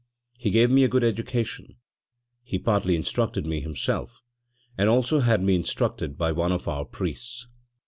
He gave me a good education; he partly instructed me himself, and also had me instructed by one of our priests.